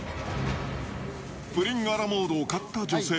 プリンアラモードを買った女性。